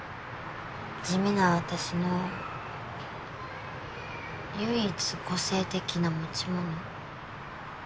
地味な私の唯一個性的な持ち物。